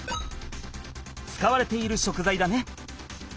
使われている食材だね。